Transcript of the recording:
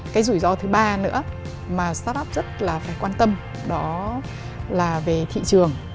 cái rủi ro thứ ba nữa mà start up rất là phải quan tâm đó là về thị trường